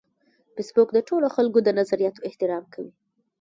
فېسبوک د ټولو خلکو د نظریاتو احترام کوي